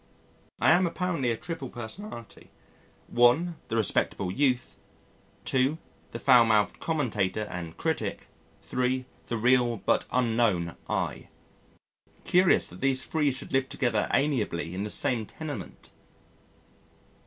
I am apparently a triple personality: (1) The respectable youth. (2) The foul mouthed commentator and critic. (3) The real but unknown I. Curious that these three should live together amiably in the same tenement!